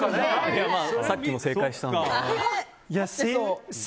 まあ、さっきも正解したので。